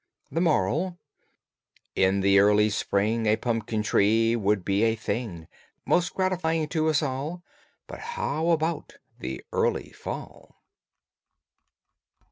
THE MORAL: In the early spring A pumpkin tree would be a thing Most gratifying to us all, But how about the early fall?